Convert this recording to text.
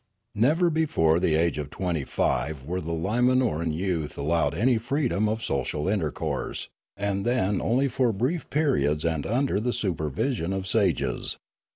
Never before the age of twenty five were the Lima noran youth allowed any freedom of social intercourse, and then only for brief periods and under the super vision of sages.